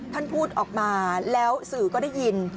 ท่านพูดออกมาแล้วสื่อก็ได้ยิน